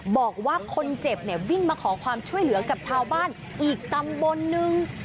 บอกว่าคนเจ็บเนี่ยวิ่งมาขอความช่วยเหลือกับชาวบ้านอีกตำบลนึง